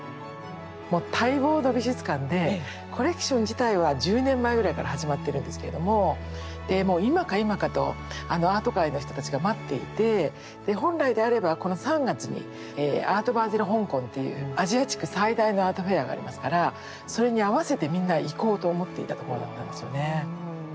もう待望の美術館でコレクション自体は１０年前ぐらいから始まってるんですけれどもでもう今か今かとアート界の人たちが待っていてで本来であればこの３月に「アート・バーゼル香港」っていうアジア地区最大のアートフェアがありますからそれに合わせてみんな行こうと思っていたところだったんですよね。